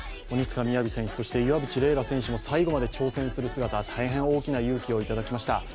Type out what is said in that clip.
鬼塚雅選手、そして岩渕麗楽選手も最後まで挑戦する姿、大変大きな勇気をいただきました。